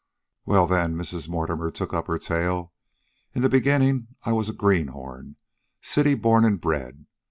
"Well, then," Mrs. Mortimer took up her tale, "in the beginning I was a greenhorn, city born and bred.